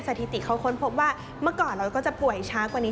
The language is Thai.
สถิติเขาค้นพบว่าเมื่อก่อนเราก็จะป่วยช้ากว่านี้